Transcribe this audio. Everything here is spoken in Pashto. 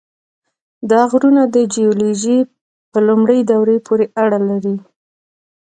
دا غرونه د جیولوژۍ په لومړۍ دورې پورې اړه لري.